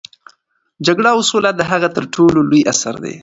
جګړه او سوله د هغه تر ټولو لوی اثر دی.